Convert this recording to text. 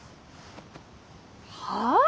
はあ？